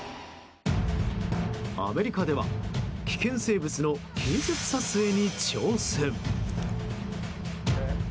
アメリカでは危険生物の近接撮影に挑戦。